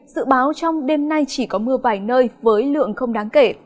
dự báo trong đêm nay chỉ có mưa vài nơi với lượng không đáng kể